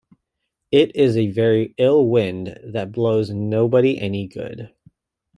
It is a very ill wind that blows nobody any good.